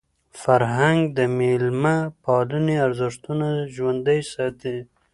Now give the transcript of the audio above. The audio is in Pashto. فرهنګ د میلمه پالني ارزښتونه ژوندۍ ساتي.